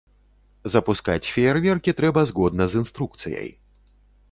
Запускаць феерверкі трэба згодна з інструкцыяй.